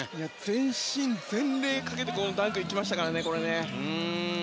全身全霊をかけてダンクに行きましたね。